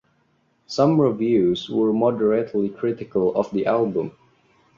Some reviews were moderately critical of the album.